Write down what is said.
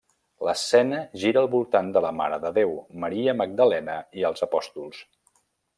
L'escena gira al voltant de la Mare de Déu, Maria Magdalena i els Apòstols.